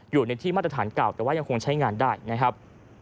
อยู่ในที่มาตรฐานเก่าแต่ว่ายังคงใช้งานได้นะครับ